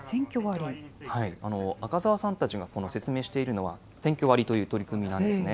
赤澤さんたちが説明しているのは、センキョ割という取り組みなんですね。